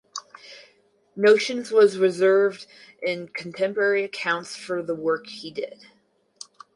Notions was revered in contemporary accounts for the work he did.